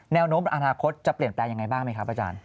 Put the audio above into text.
แนวโน้มอนาคตจะเปลี่ยนแปลงยังไงบ้างไหมครับอาจารย์